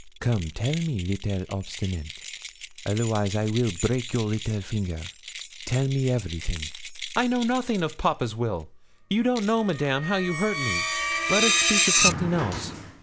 Come tell me, little obstinate, otherwise I will break your little finger. Tell me everything.' 'I know nothing of papa's will. You don't know, Madame, how you hurt me. Let us speak of something else.'